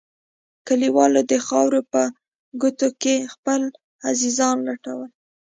کليوالو د خاورو په کوټو کښې خپل عزيزان لټول.